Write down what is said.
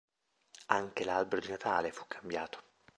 Anche l'albero di Natale fu cambiato.